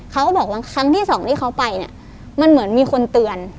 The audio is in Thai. เขาก็บอกว่าครั้งที่สองที่เขาไปเนี่ยมันเหมือนมีคนเตือน